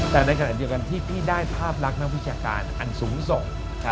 แต่ในขณะเดียวกันที่พี่ได้ภาพลักษณ์นักวิชาการอันสูงส่ง